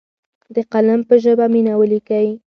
د قلم په ژبه مینه ولیکئ.